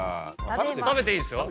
食べていいですよ。